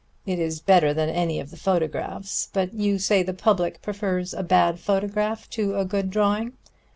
It is better than any of the photographs; but you say the public prefers a bad photograph to a good drawing.